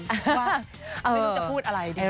เราไม่รู้ว่าจะพูดอะไรดี